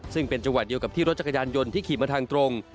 ซึ่งเป็นจังหวะเดียวกับที่รถจักรยานยนต์ที่ขี่มาทางตรง